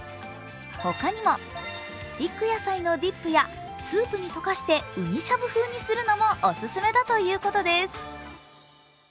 他にも、スティック野菜のディップやスープに溶かしてうにしゃぶ風にするのもオススメだということです。